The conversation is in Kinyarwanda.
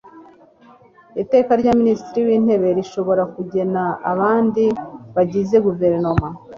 iteka rya minisitiri w intebe rishobora kugena abandi bagize guverinoma